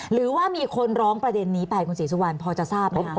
หรือว่ามีคนร้องประเด็นนี้ไปคุณศรีสุวรรณพอจะทราบไหมคะ